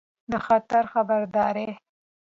د خطر خبرداری